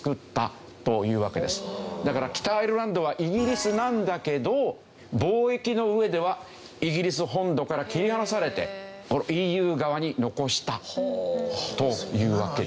だから北アイルランドはイギリスなんだけど貿易の上ではイギリス本土から切り離されてＥＵ側に残したというわけですよ。